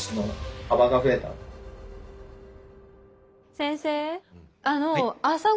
先生？